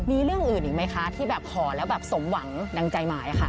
มีเรื่องอื่นอีกไหมคะที่แบบขอแล้วแบบสมหวังดังใจหมายค่ะ